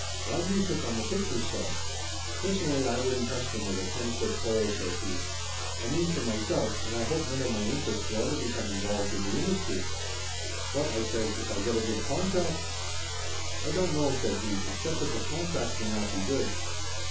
Why do you pick on the pictures so?" 70 Laughter Limited "Personally, I wouldn't touch them with a ten foot pole," says he. "I mean for myself, and I hope none of my interests will ever become involved in the industry!" "But," I says, "if I get a good contract?" "I don't know," said he, "except that the contract may not be good.